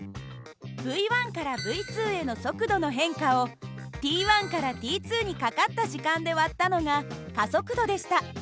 υからυへの速度の変化をｔからｔにかかった時間で割ったのが加速度でした。